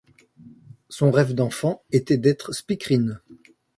Son rêve d'enfant était d'être speakerine.